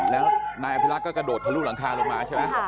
แล้วนายอภิรักษ์ก็กระโดดทะลุหลังคาลงมาใช่ไหม